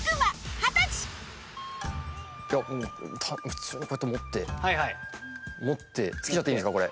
いやもう普通にこうやって持って持ってつけちゃっていいんですか？